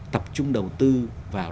tập trung đầu tư vào